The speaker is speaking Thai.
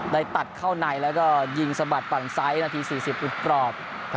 ได้ตัดเข้าในแล้วก็ยิงสะบัดฝั่งซ้าย๑นาที๔๐อุดกรอบ